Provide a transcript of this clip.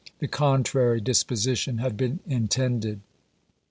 The contrary disposition had been intended.